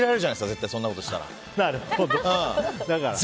絶対そんなことしたら。